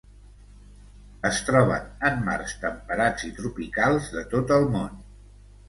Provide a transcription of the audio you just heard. Es troben en mars temperats i tropicals de tot el món.